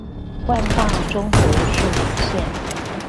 萬大中和樹林線